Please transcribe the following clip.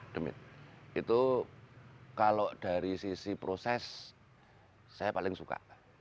demit itu kalau dari sisi proses saya paling suka